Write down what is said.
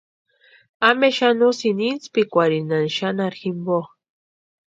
¿Ampe xani usïni intspikwarhinhani xanharhu jimpo?